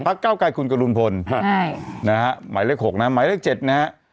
พรรคเก้าไก่คุณกรุณพลนะครับใหม่เลข๖นะครับใหม่เลข๗นะครับ